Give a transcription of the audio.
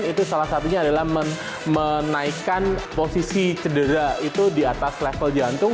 itu salah satunya adalah menaikkan posisi cedera itu di atas level jantung